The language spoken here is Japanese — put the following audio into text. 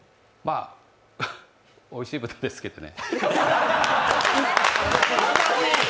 まぁ、おいしい豚ですけどね。